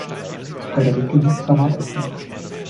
Frederike liebt Granatäpfel.